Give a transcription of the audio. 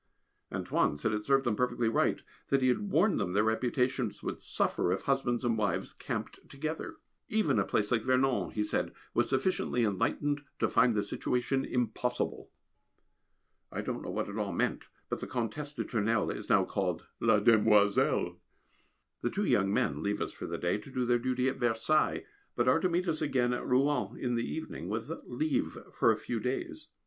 "Antoine" said it served them perfectly right, that he had warned them their reputations would suffer if husbands and wives camped together. Even a place like Vernon, he said, was sufficiently enlightened to find the situation impossible. I don't know what it all meant, but the Comtesse de Tournelle is now called "la demoiselle!" The two young men leave us for the day, to do their duty at Versailles, but are to meet us again at Rouen in the evening, with leave for a few days.